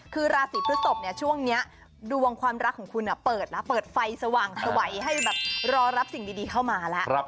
คือราศีพฤศพช่วงนี้ดวงความรักของคุณเปิดแล้วเปิดไฟสว่างสวัยให้แบบรอรับสิ่งดีเข้ามาแล้ว